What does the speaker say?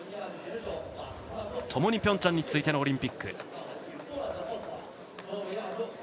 ともにピョンチャンに続いてのオリンピック。